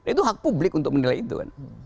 itu hak publik untuk menilai itu kan